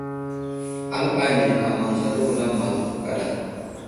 Aləɓay ane amənzaro wulam mələko kaɗa.